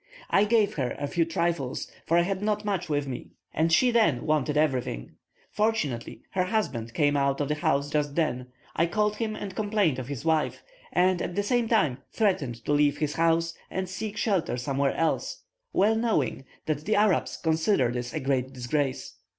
I gave her a few trifles, for I had not much with me, and she then wanted everything. Fortunately her husband came out of the house just then; I called him and complained of his wife, and at the same time threatened to leave his house, and seek shelter somewhere else, well knowing that the Arabs consider this a great disgrace.